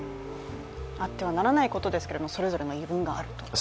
あってはならないことですけどもそれぞれの言い分があると。